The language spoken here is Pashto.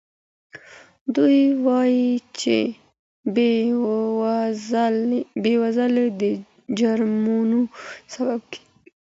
دوی وویل چې بې وزلي د جرمونو سبب کیږي.